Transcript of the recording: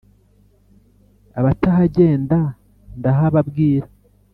abatahagenda ndahababwira :